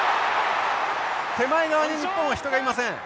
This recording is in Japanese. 手前側に日本は人がいません。